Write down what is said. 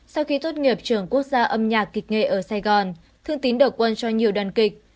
sau khi tốt nghiệp trường quốc gia âm nhạc kịch nghệ ở sài gòn thương tín đầu quân cho nhiều đoàn kịch